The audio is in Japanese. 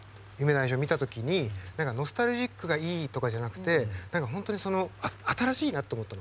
見たときにノスタルジックがいいとかじゃなくて何か本当にその新しいなと思ったの。